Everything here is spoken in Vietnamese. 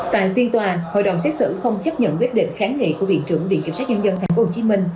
tại phiên tòa hội đồng xét xử không chấp nhận quyết định kháng nghị của vị trưởng điện kiểm soát nhân dân tp hcm